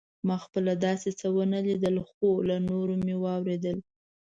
ما خپله داسې څه ونه لیدل خو له نورو مې واورېدل.